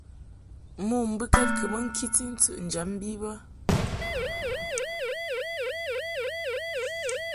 Mo mbɨkɛd kɨ mɨ ŋkiti ntɨʼnjam bi bə.